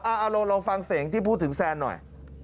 เอาลองฟังเสียงที่พูดถึงแซนหน่อย